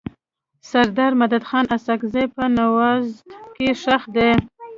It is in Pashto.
سردار مددخان اسحق زی په نوزاد کي ښخ دی.